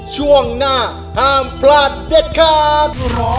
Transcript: ช่วงหน้าห้ามพลาดเด็ดขาด